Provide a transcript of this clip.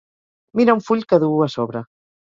Mira un full que duu a sobre.